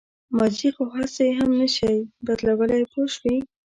ماضي خو هسې هم نه شئ بدلولی پوه شوې!.